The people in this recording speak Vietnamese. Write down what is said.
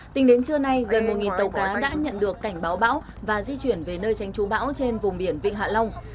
tính đến trưa nay gần một tàu cá đã nhận được cảnh báo bão và di chuyển về nơi tránh trú bão trên vùng biển vịnh hạ long